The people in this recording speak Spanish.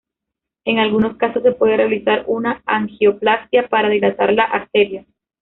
En algunos casos se puede realizar una angioplastia para dilatar la arteria.